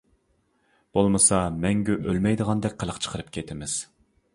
بولمىسا، مەڭگۈ ئۆلمەيدىغاندەك قىلىق چىقىرىپ كېتىمىز.